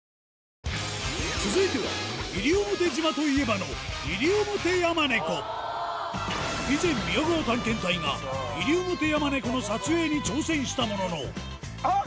続いては西表島といえばの以前宮川探検隊がイリオモテヤマネコの撮影に挑戦したもののあっ！